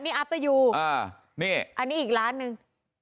นี่อัพเตอร์ยูอ่านี่อันนี้อีกร้านหนึ่งอันนี้อีกร้านหนึ่ง